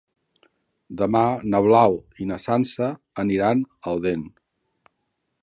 Demà na Blau i na Sança aniran a Odèn.